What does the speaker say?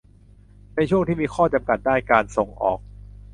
ในช่วงที่มีข้อจำกัดด้านการส่งออก